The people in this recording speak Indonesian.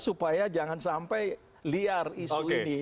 supaya jangan sampai liar isu ini